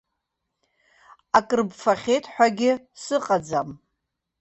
Акрыбфахьеит ҳәагьы сыҟаӡам.